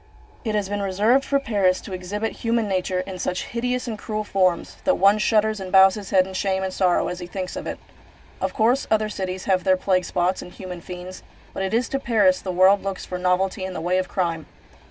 It has been reserved for Paris to exhibit human nature in such hideous and cruel forms, that one shudders and bows his head in shame and sorrow as he thinks of it. Of course, other cities have their plague spots and human fiends, but it is to Paris the world looks for novelty in the way of crime.